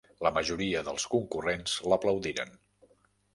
La majoria dels concurrents l'aplaudiren.